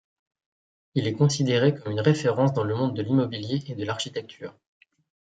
Il est considéré comme une référence dans le monde de l'immobilier et de l'architecture.